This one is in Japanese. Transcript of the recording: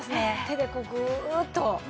手でこうグーッと。